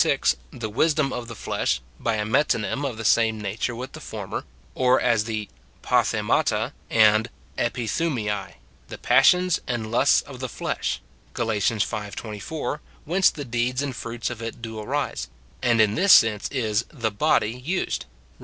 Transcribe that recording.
6, the "wisdom of the flesh," bj a metonymy of the same nature with the former ; or as the 'ifo.&riixa. Ta and sirj^ufjilaj, the "passions and lusts of the flesh," Gal. V. 24, whence the deeds and fruits of it do arise ; and in this sense is the body used, Rom.